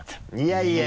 いやいや。